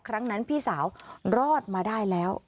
ครั้งนั้นพี่สาวรอดมาได้แล้ว